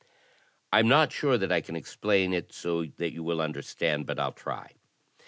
"I'm not sure that I can explain it so that you will understand, but I'll try.